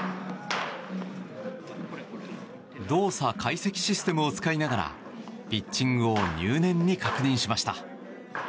動作解析システムを使いながらピッチングを入念に確認しました。